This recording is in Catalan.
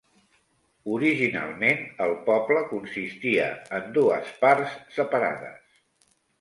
Originalment, el poble consistia en dues parts separades.